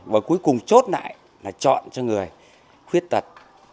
và cuối cùng chốt lại là chọn cho người khuyết tật